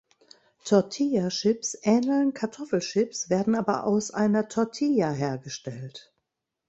Tortilla-Chips ähneln Kartoffelchips, werden aber aus einer Tortilla hergestellt.